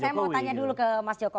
saya mau tanya dulu ke mas joko